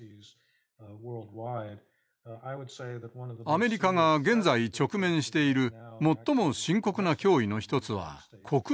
アメリカが現在直面している最も深刻な脅威の一つは国内にあります。